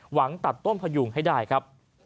หวังตัดต้นพยุงให้ได้ครับ